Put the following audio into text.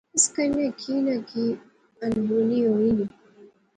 اس کنے کی نہ کی انہونی ہوئی نی